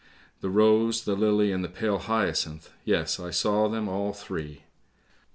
The rose, the lily, and the pale hyacinth, yes, I saw them all three.